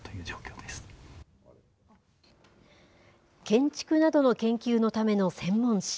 建築などの研究のための専門誌。